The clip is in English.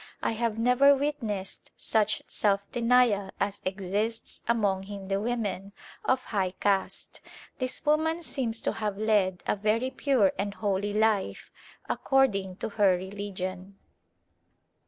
I have never witnessed such self denial as exists among Hindu women of high caste. This woman seems to have led a very pure and holy life, according to her religion.